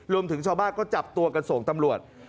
รวมถึงชาวบ้านก็จับตัวกันส่งตำรวจ